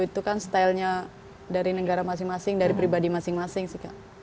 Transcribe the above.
itu kan stylenya dari negara masing masing dari pribadi masing masing sih kak